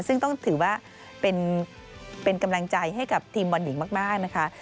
ซึ่งต้องถือว่าเป็นกำลังใจให้กับทีมบอลหญิงมากนะคะ